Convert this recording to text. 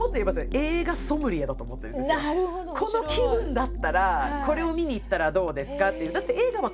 この気分だったらこれを見に行ったらどうですかって。